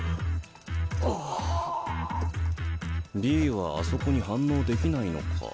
Ｂはあそこに反応できないのか。